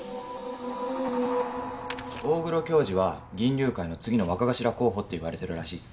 大黒恭二は銀龍会の次の若頭候補っていわれてるらしいっす。